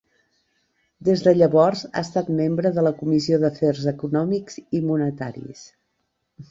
Des de llavors ha estat membre de la Comissió d'Afers Econòmics i Monetaris.